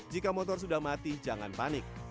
jika motor sudah mati jangan panik